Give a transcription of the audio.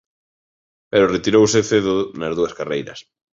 Pero retirouse cedo nas dúas carreiras.